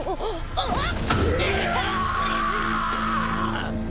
あっ！？